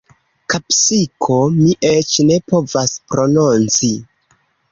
Kapsiko... mi eĉ ne povas prononci.